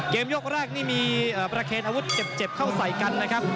ยกแรกนี่มีประเคนอาวุธเจ็บเข้าใส่กันนะครับ